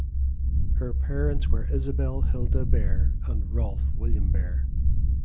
Her parents were Isabel Hilda Bear and Rolfe William Bear.